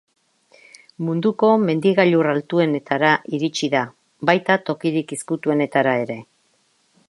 Munduko mendi-gailur altuenetara iritsi da, baita tokirik ezkutuenetara ere.